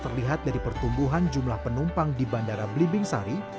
terlihat dari pertumbuhan jumlah penumpang di bandara belimbing sari